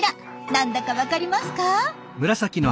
何だかわかりますか？